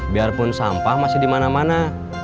biarpun sampah masih dimana mana